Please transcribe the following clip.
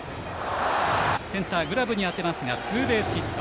センターがグラブに当てますがツーベースヒット。